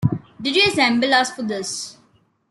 Did you assemble us for this?